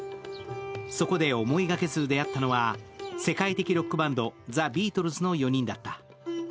そこで思いがけず出会ったのは世界的ロックバンド、ザ・ビートルズの４人だった。